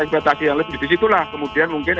ekspetasi yang lebih disitulah kemudian mungkin